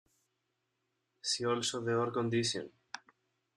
See also the Ore condition.